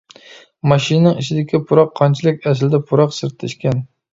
ماشىنىنىڭ ئىچىدىكى پۇراق قانچىلىك، ئەسلىدە پۇراق سىرتتا ئىكەن.